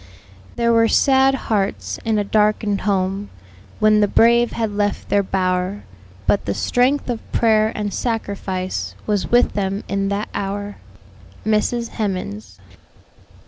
"There were sad hearts in a darken'd home, When the brave had left their bower; But the strength of prayer and sacrifice Was with them in that hour." MRS. HEMANS.